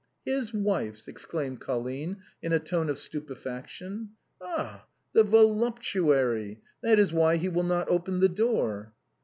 " His wife's !" exclaimed Colline in a tone of stupe faction. " Ah ! the voluptuary, that is why he will not open the door."